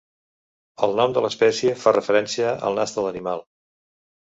El nom de l'espècie fa referència al nas de l'animal.